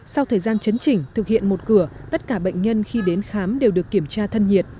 sau thời gian chấn chỉnh thực hiện một cửa tất cả bệnh nhân khi đến khám đều được kiểm tra thân nhiệt